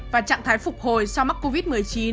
và trạng thái phục hồi sau mắc covid một mươi chín